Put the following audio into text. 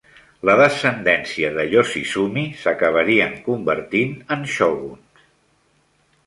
La descendència de Yoshizumi s'acabarien convertint en shoguns.